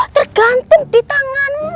tergantung di tanganmu